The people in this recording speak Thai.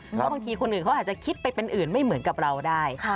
เพราะบางทีคนอื่นเขาอาจจะคิดไปเป็นอื่นไม่เหมือนกับเราได้